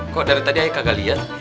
kok dari tadi saya kagak liat